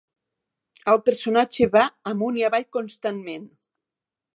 El personatge va amunt i avall constantment.